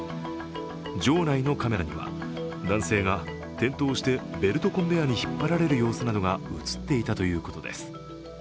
場内のカメラには、男性が転倒してベルトコンベアに引っ張られる様子などが映っていたということです。